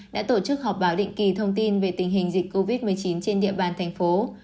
đã tổ chức họp báo định kỳ thông tin về tình hình dịch covid một mươi chín trên địa bàn thành phố